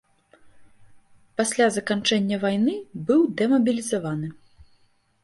Пасля заканчэння вайны быў дэмабілізаваны.